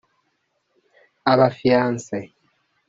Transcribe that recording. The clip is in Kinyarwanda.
abafiance